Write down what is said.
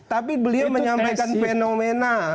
tapi beliau menyampaikan fenomena